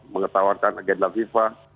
mengetawarkan agenda fifa